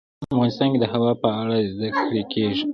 افغانستان کې د هوا په اړه زده کړه کېږي.